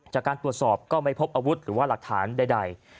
จากการตรวจสอบก็ไม่พบอาวุธหรือว่าหลักฐานใด